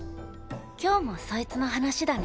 今日もそいつの話だね。